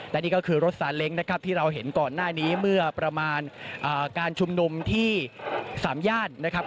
และนี่ก็คือรถสาเล้งนะครับที่เราเห็นก่อนหน้านี้เมื่อประมาณการชุมนุมที่สามย่านนะครับ